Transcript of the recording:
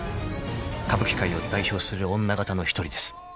［歌舞伎界を代表する女形の一人です］